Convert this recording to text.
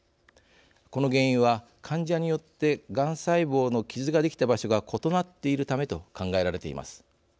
この原因は患者によってがん細胞のキズができた場所が異なっているためと考えられています。